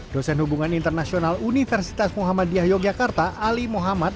dosen hubungan internasional universitas muhammadiyah yogyakarta ali muhammad